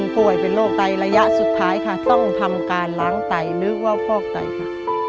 ป่วยเป็นโรคไตระยะสุดท้ายค่ะต้องทำการล้างไตนึกว่าฟอกไตค่ะ